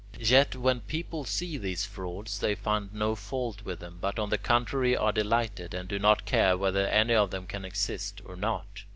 Yet when people see these frauds, they find no fault with them but on the contrary are delighted, and do not care whether any of them can exist or not.